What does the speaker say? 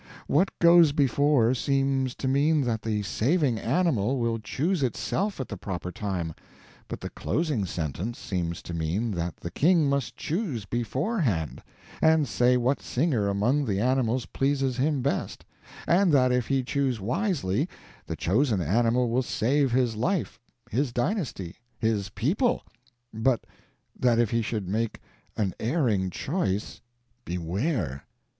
What goes before seems to mean that the saving animal will choose itself at the proper time; but the closing sentence seems to mean that the king must choose beforehand, and say what singer among the animals pleases him best, and that if he choose wisely the chosen animal will save his life, his dynasty, his people, but that if he should make "an erring choice" beware!